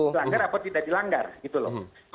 melanggar apa tidak dilanggar gitu loh